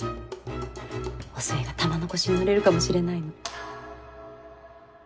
お寿恵が玉のこしに乗れるかもしれないの。